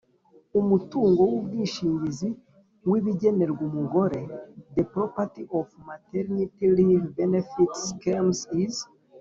Umutungo w ubwishingizi w ibigenerwa umugore The property of maternity leave benefits scheme is